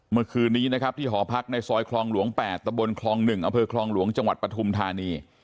เมื่อคืนนี้นะครับที่หอพักในซอยคลองหลวง๘ตะบนคลอง๑อำเภอคลองหลวงจังหวัดปฐุมธานี